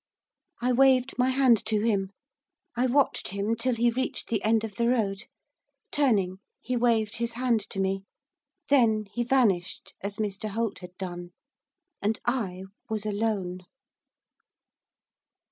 I waved my hand to him. I watched him till he reached the end of the road. Turning, he waved his hand to me. Then he vanished, as Mr Holt had done. And I was alone.